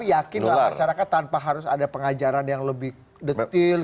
tapi yakin lah masyarakat tanpa harus ada pengajaran yang lebih detail